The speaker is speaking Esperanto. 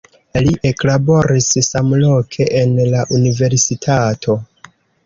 Li eklaboris samloke en la universitato.